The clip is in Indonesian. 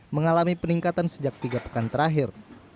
mengalami peningkatan sejak tiga pekan terakhir